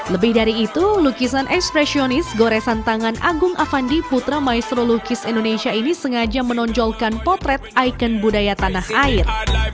lebih dari itu lukisan ekspresionis goresan tangan agung afandi putra maestro lukis indonesia ini sengaja menonjolkan potret ikon budaya tanah air